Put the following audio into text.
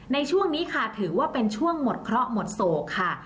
ในช่วงนี้ค่ะถือว่าเป็นช่วงหมดเคราะห์หมดโศกค่ะ